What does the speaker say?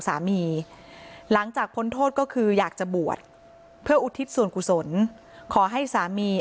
หลังจากพ้นโทษก็คืออยากจะบวชเพื่ออุทิศส่วนกุศลขอให้สามี